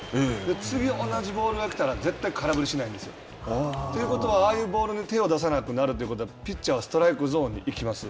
次、同じボールが来たら絶対空振りしないんですよ。ということは、ああいうボールに手を出さなくなるということは、ピッチャーはストライクゾーンに行きます。